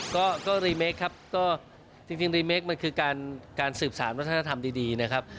ก็รีเมคครับก็จริงรีเมคมันคือการสืบสารวัฒนธรรมดีนะครับ